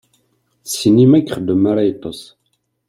D ssinima i ixeddem mi ara yeṭṭes.